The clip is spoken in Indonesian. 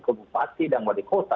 ke bupati dan wali kota